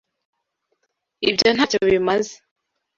Ibyo ntacyo bimaze.